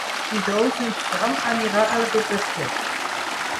Dijous en Sam anirà a la biblioteca.